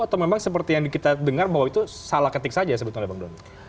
atau memang seperti yang kita dengar bahwa itu salah ketik saja sebetulnya bang doni